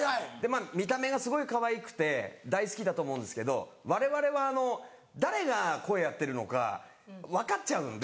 見た目がすごいかわいくて大好きだと思うんですけどわれわれは誰が声やってるのか分かっちゃうので。